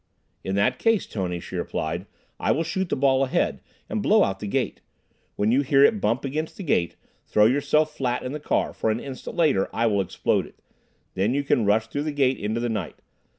"In that case, Tony," she replied, "I will shoot the ball ahead, and blow out the gate. When you hear it bump against the gate, throw yourself flat in the car, for an instant later I will explode it. Then you can rush through the gate into the night.